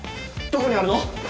どこにあるの？